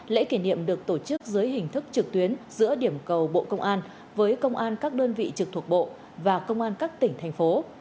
lễ kỷ niệm được tổ chức dưới hình thức trực tuyến giữa điểm cầu bộ công an với công an các đơn vị trực thuộc bộ và công an các tỉnh thành phố